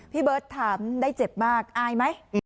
พี่เบิร์ตถามได้เจ็บมากอายไหม